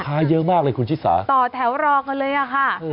ขายเยอะมากเลยคุณชิษาต่อแถวรอกเลยค่ะ